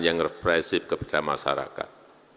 yang represif kepada masyarakat